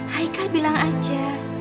haikal bilang aja